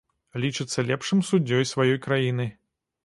Лічыцца лепшым суддзёй сваёй краіны.